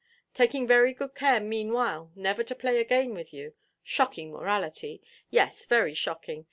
taking very good care meanwhile never to play again with you. Shocking morality! Yes, very shocking.